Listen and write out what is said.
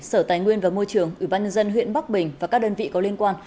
sở tài nguyên và môi trường ủy ban nhân dân huyện bắc bình và các đơn vị có liên quan